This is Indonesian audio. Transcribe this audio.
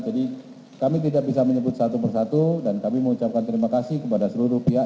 jadi kami tidak bisa menyebut satu persatu dan kami mengucapkan terima kasih kepada seluruh pihak